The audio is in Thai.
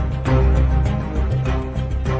นี่เกินไปเนี่ย